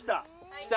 きた！